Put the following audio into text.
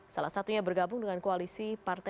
salah satunya bergabung dengan koalisi partai